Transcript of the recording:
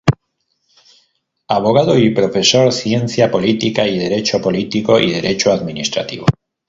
Abogado y profesor de Ciencia Política y Derecho político y Derecho administrativo.